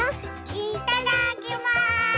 いただきます！